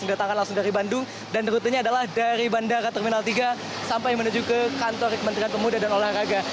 mendatangkan langsung dari bandung dan rutenya adalah dari bandara terminal tiga sampai menuju ke kantor kementerian pemuda dan olahraga